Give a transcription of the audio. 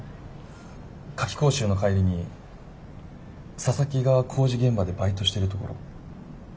夏期講習の帰りに佐々木が工事現場でバイトしてるところ。